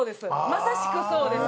まさしくそうです！